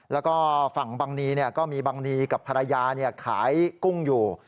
แล้วก็ฝั่งบังนีก็มีบังนีกับภรรยาขายกุ้งอยู่